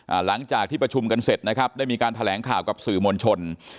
หลังจากที่ประชุมกันเสร็จนะครับได้มีการแถลงข่าวกับสื่อมวลชน